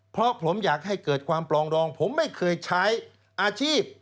เพราะผมอยากให้เกิดความปลองดองผมไม่เคยใช้อาชีพ